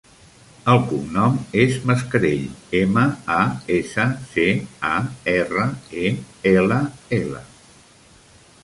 El cognom és Mascarell: ema, a, essa, ce, a, erra, e, ela, ela.